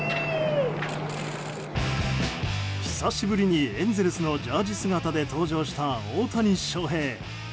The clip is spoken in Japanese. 久しぶりにエンゼルスのジャージー姿で登場した大谷翔平。